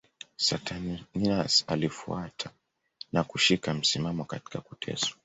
Saturninus alifuata na kushika msimamo katika kuteswa.